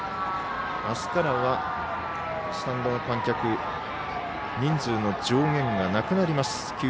あすからはスタンドの観客人数の上限がなくなります。